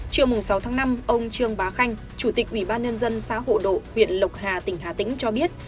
trưa sáu tháng năm ông trương bá khanh chủ tịch ủy ban nhân dân xã hộ độ huyện lộc hà tỉnh hà tĩnh cho biết